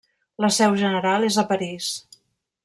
La seu general és a París.